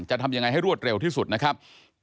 จะทำยังไงให้รวดเร็วที่สุดนะครับ